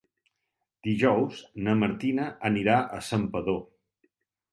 Dijous na Martina anirà a Santpedor.